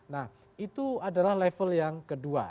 nah itu adalah level yang kedua